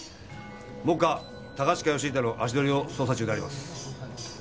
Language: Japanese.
目下高近義英の足取りを捜査中であります。